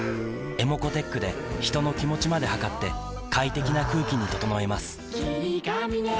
ｅｍｏｃｏーｔｅｃｈで人の気持ちまで測って快適な空気に整えます